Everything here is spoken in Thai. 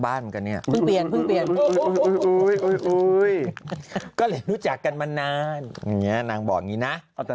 บ้านกระเนี่ยก็เลยได้รู้จักกันมานานนางนาบอกยุโมงี้น่ะเอาแต่